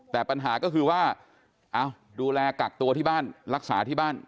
แต่ปัญหาก็คือว่าดูแลกักตัวที่บ้านรักษาที่บ้าน